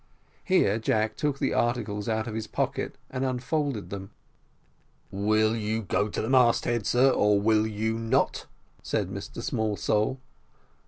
Here Jack took the articles out of his pocket, and unfolded them. "Will you go to the mast head, sir, or will you not?" said Mr Smallsole.